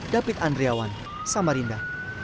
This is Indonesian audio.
david andriawan samarinda